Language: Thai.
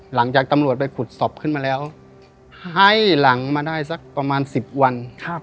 หลังจากตำรวจไปขุดศพขึ้นมาแล้วให้หลังมาได้สักประมาณ๑๐วัน